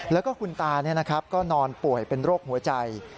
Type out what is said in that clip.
แล้วก็คุณตาก็นอนป่วยเป็นโรคหัวใจ